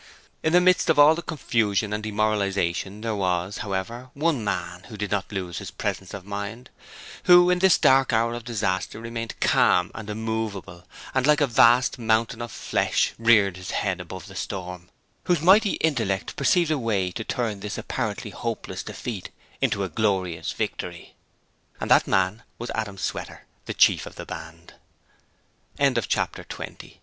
In the midst of all the confusion and demoralization there was, however, one man who did not lose his presence of mind, who in this dark hour of disaster remained calm and immovable, and like a vast mountain of flesh reared his head above the storm, whose mighty intellect perceived a way to turn this apparently hopeless defeat into a glorious victory. That man was Adam Sweater, the Chief of the Band. Chapter 21 The Reign of T